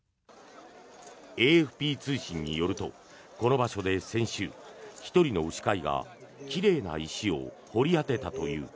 ＡＦＰ通信によるとこの場所で先週１人の牛飼いが奇麗な石を掘り当てたという。